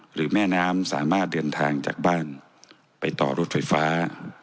หรือแม่น้ำสามารถเดินทางจากบ้านไปต่อรถไฟฟ้า